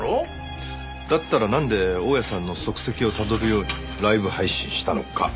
だったらなんで大屋さんの足跡をたどるようにライブ配信したのか？